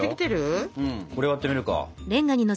これ割ってみるか。